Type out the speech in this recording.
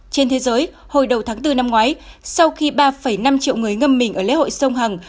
trên thế giới hồi đầu tháng bốn năm ngoái sau khi ba năm triệu người ngâm mình ở lễ hội sông hằng